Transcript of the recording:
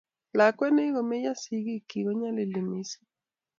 Lakwet nekikomeyo sikik chik konyalili mising